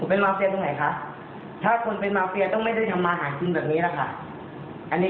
อันนี้ก็ต้องถามเขาว่าทำไมเขาถึงการหาแบบนี้